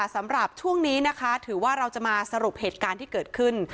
สำหรับช่วงนี้นะคะถือว่าเราจะมาสรุปเหตุการณ์ที่เกิดขึ้น